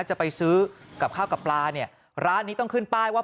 จะไปซื้อกับข้าวกับปลาเนี่ยร้านนี้ต้องขึ้นป้ายว่า